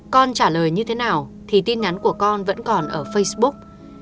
con trả lời như thế nào thì tin nhắn của con vẫn còn ở facebook